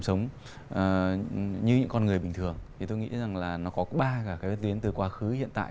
sống như những con người bình thường thì tôi nghĩ rằng là nó có ba cả cái tuyến từ quá khứ hiện tại